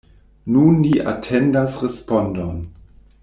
Nun ni atendas respondon.